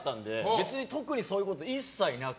別に特にそういうこと一切なく。